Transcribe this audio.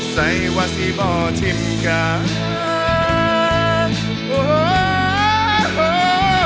ใส่ว่าสี่บ่ทิมการ